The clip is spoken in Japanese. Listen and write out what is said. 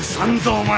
お前！